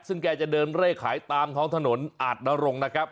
ซึ่งแกจะเดินเลขขายตามท้องถนนอาจนรงค์นะครับ